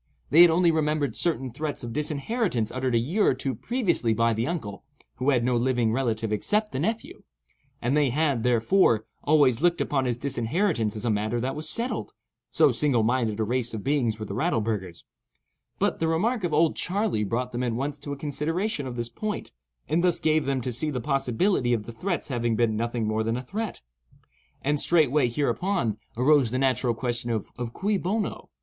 They had only remembered certain threats of disinheritance uttered a year or two previously by the uncle (who had no living relative except the nephew), and they had, therefore, always looked upon this disinheritance as a matter that was settled—so single minded a race of beings were the Rattleburghers; but the remark of "Old Charley" brought them at once to a consideration of this point, and thus gave them to see the possibility of the threats having been nothing more than a threat. And straightway hereupon, arose the natural question of cui bono?